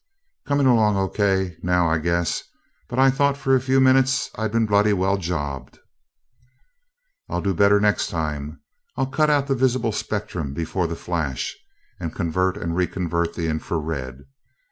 "Coming along O. K. now, I guess but I thought for a few minutes I'd been bloody well jobbed." "I'll do better next time. I'll cut out the visible spectrum before the flash, and convert and reconvert the infra red.